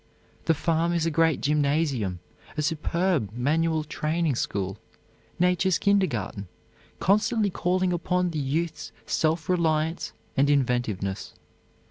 The farm is a great gymnasium, a superb manual training school, nature's kindergarten, constantly calling upon the youth's self reliance and inventiveness.